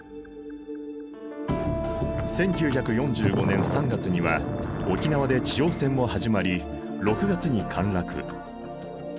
１９４５年３月には沖縄で地上戦も始まり６月に陥落。